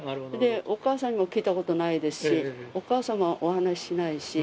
お母さんにも聞いたことないですし、お母さんもお話しないし。